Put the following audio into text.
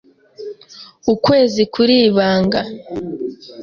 Ukwezi kuribanga.